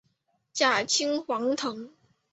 假青黄藤